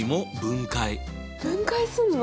分解すんの？